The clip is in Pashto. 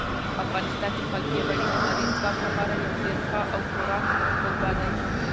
افغانستان د خپل پیاوړي لمریز ځواک لپاره یو ډېر ښه او پوره کوربه دی.